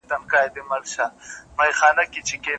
چي په شپه د پسرلي کي به باران وي